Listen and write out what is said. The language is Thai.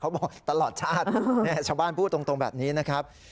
บอกตลอดชาติชาวบ้านพูดตรงแบบนี้นะครับ